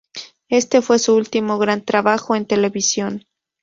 Este fue su último gran trabajo en televisión.